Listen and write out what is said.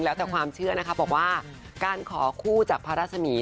แล้วแต่ความเชื่อนะคะบอกว่าการขอคู่จากพระราชมี